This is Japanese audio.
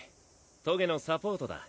棘のサポートだ。